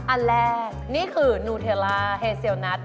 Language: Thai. อันแรกนี่คือนูเทลล่าเฮเซลนัท